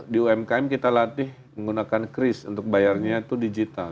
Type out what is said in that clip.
di umkm kita latih menggunakan kris untuk bayarnya itu digital